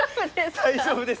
大丈夫です。